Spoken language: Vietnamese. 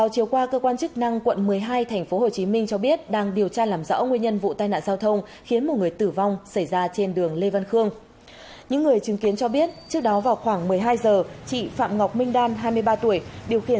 các bạn hãy đăng ký kênh để ủng hộ kênh của chúng mình nhé